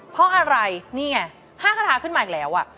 เพราะอะไรนี่ไง๕คาถาขึ้นมาอีกแล้ว